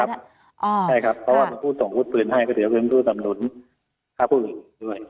ใช่ครับเพราะว่าเป็นผู้ส่งอาวุธปืนให้ก็ถือว่าเป็นผู้สำนุนฆ่าผู้อื่นด้วย